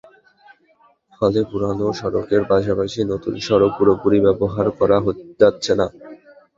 ফলে পুরোনো সড়কের পাশাপাশি নতুন সড়ক পুরোপুরি ব্যবহার করা যাচ্ছে না।